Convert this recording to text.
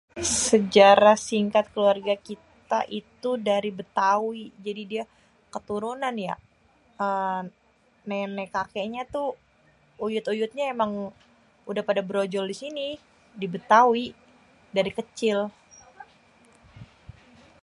Sejarah singkat keluarga kita tuh dari Bétawi keturunan ya, nenek kakenya tuh uyut-uyutnya emang udah pada berojol di sini, diBétawi dari kecil